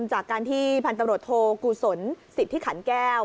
จากการที่พันตำรวจโทกุศลสิทธิขันแก้ว